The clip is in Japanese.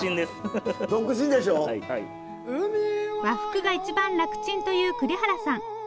和服が一番楽ちんという栗原さん。